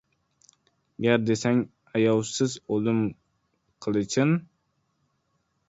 Gar desang ayovsiz o‘lim qilichin